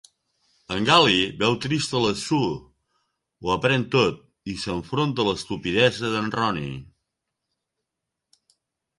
En Gally veu trista a la Sue, ho aprèn tot i s'enfronta a l'estupidesa d'en Ronnie.